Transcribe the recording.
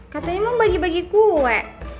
katanya mau bagi bagi kue